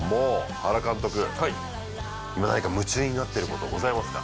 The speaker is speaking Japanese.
原監督はい何か夢中になってることございますか？